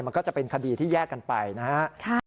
มันก็จะเป็นคดีที่แยกกันไปนะฮะ